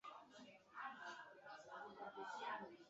之后也改编为真人电影和动画短片。